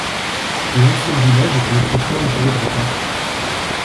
L'ancien village était autrefois entouré de remparts.